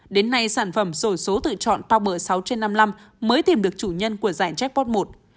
đến nay sản phẩm sổ số tự chọn pomber sáu trên năm mươi năm mới tìm được chủ nhân của giải jackpot i